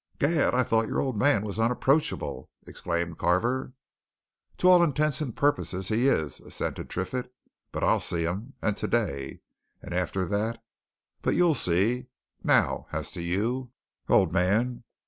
"Gad! I thought your old man was unapproachable!" exclaimed Carver. "To all intents and purposes, he is," assented Triffitt. "But I'll see him and today. And after that but you'll see. Now, as to you, old man.